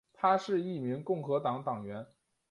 她是一名共和党党员。